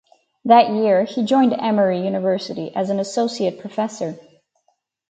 That year he joined Emory University as an Associate Professor.